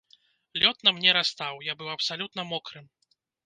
Лёд на мне растаў, я быў абсалютна мокрым.